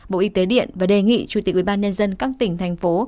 bộ y tế điện và đề nghị chủ tịch ubnd các tỉnh thành phố